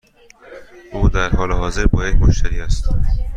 او در حال حاضر با یک مشتری است.